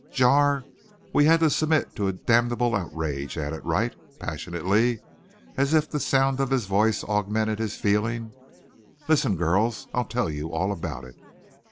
"Jar? We had to submit to a damnable outrage," added Wright passionately, as if the sound of his voice augmented his feeling. "Listen, girls. I'll tell you all about it."